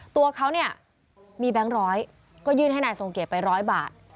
ตัวเขาเนี่ยมีแบงค์ร้อยก็ยื่นให้นายทรงเกียจไปร้อยบาท